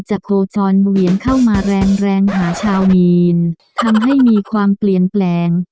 โคจรเวียนเข้ามาแรงแรงหาชาวมีนทำให้มีความเปลี่ยนแปลง